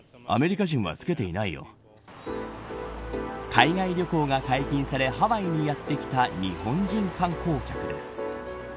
海外旅行が解禁されハワイにやってきた日本人観光客です。